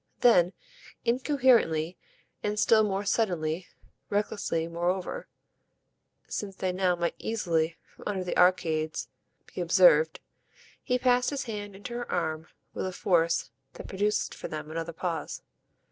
Then, incoherently and still more suddenly, recklessly moreover, since they now might easily, from under the arcades, be observed, he passed his hand into her arm with a force that produced for them another pause.